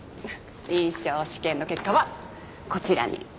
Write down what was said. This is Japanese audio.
臨床試験の結果はこちらに。